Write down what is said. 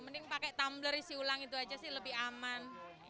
mending pakai tumbler isi ulang itu aja sih lebih aman